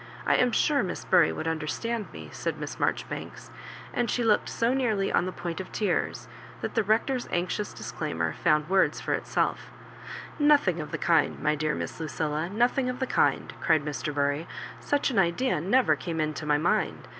I am sure Miss Bury would understand me," said Miss Marjoribanks ;' and she looked so nearly on the point of tears, that the Rector's anxious 'dis claimer found words for itsel£ "Nothing of the kind, my dear Miss Lucilla — nothing of the kind," cried Mr. Bury; '' such an idea never came into my mind.